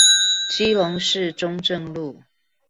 基隆市中正路